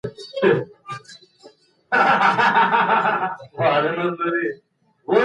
تاسي کله د پښتو د تدریس لپاره نوي میتودونه وکارول؟